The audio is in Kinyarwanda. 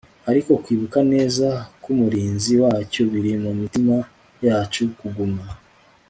ariko kwibuka neza kumurinzi wacyo biri mumitima yacu kuguma